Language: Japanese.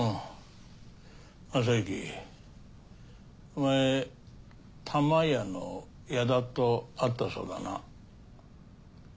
昌之お前タマヤの矢田と会ったそうだな。